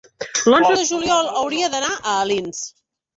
l'onze de juliol hauria d'anar a Alins.